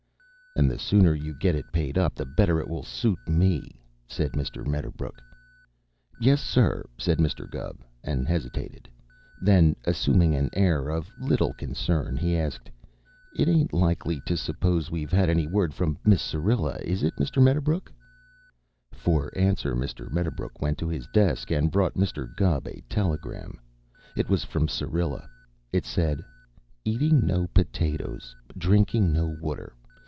"And the sooner you get it paid up the better it will suit me," said Mr. Medderbrook. "Yes, sir," said Mr. Gubb, and hesitated. Then, assuming an air of little concern, he asked: "It ain't likely to suppose we've had any word from Miss Syrilla, is it, Mr. Medderbrook?" For answer Mr. Medderbrook went to his desk and brought Mr. Gubb a telegram. It was from Syrilla. It said: Eating no potatoes, drinking no water.